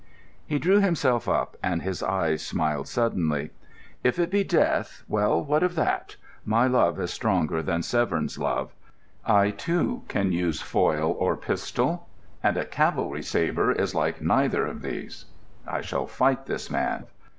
He drew himself up, and his eyes smiled suddenly. "If it be death, well, what of that! My love is greater than Severn's love. I, too, can use foil or pistol, and a cavalry sabre is like neither of these. I shall fight this man."